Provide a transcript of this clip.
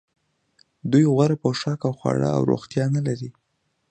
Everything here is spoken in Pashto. دوی غوره پوښاک او خواړه او روغتیا نلري